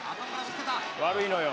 「悪いのよ」